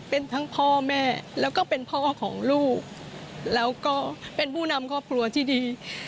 เป็นทั้งพ่อแม่แล้วก็เป็นพ่อของลูกแล้วก็เป็นผู้นำครอบครัวที่ดี